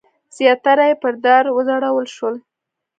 زیاتره یې پر دار وځړول شول.